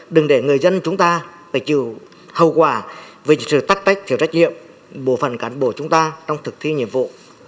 đừng để người dân chúng ta phải chịu hậu quả vì sự tác tách thiếu trách nhiệm bộ phần cán bộ chúng ta trong thực thi nhiệm vụ